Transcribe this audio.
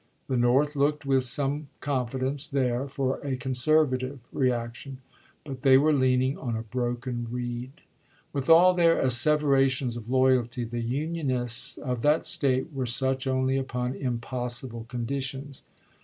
The North looked with some confidence there for a conservative reaction ; but they were leaning on a broken reed. With all their asseverations of loyalty, the Unionists of that State were such only upon impossible conditions.